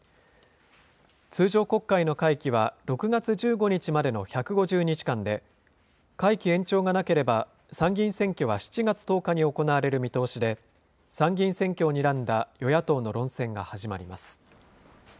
通常国会の会期は６月１５日までの１５０日間で、会期延長がなければ、参議院選挙は７月１０日に行われる見通しで、参議院選挙をにらんだ与野党の論戦が始まります。